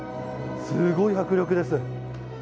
すごい迫力です。